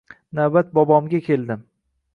Navbat bobomga keldi